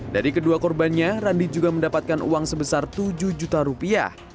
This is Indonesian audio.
dari kedua korbannya randi juga mendapatkan uang sebesar tujuh juta rupiah